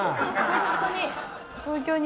ホントに。